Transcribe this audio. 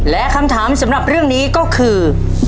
และคำถามสำหรับเรื่องนี้ก็คือ